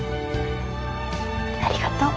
ありがとう。